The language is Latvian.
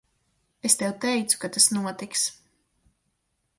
Es tev teicu, ka tas notiks.